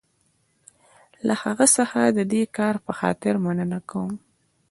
له هغه څخه د دې کار په خاطر مننه کوم.